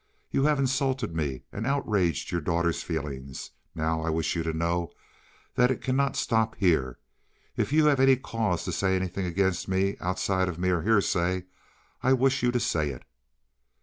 You have insulted me and outraged your daughter's feelings. Now, I wish you to know that it cannot stop here. If you have any cause to say anything against me outside of mere hearsay I wish you to say it."